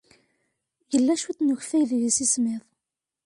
Yella cwiṭ n ukeffay deg yimsismeḍ.